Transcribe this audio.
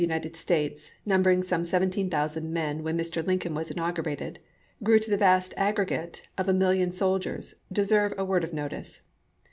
i. United States, numbering some seventeen thousand men when Mr. Lincoln was inaugurated, grew to the vast aggregate of a million soldiers deserve a word of notice.